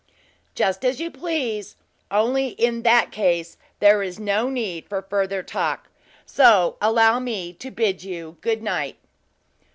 "Just as you please, only in that case there is no need for further talk, so allow me to bid you good night!"